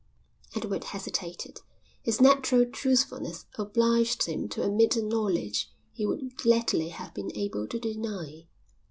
Edward hesitated. His natural truthfulness obliged him to admit a knowledge he would gladly have been able to deny.